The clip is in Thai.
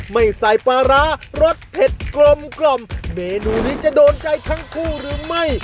ไม่ใส่ปลาร้ารสเผ็ดกลมกล่อมเมนูนี้จะโดนใจทั้งคู่หรือไม่